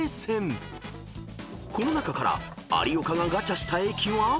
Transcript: ［この中から有岡がガチャした駅は］